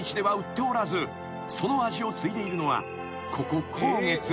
［その味を継いでいるのはここ宏月だけ］